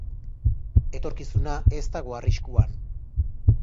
Etorkizuna ez dago arriskuan.